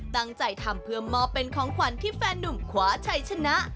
ตั้งใจทำเพื่อมอบเป็นของขวัญที่แฟนหนุ่มขวาชัยชนะ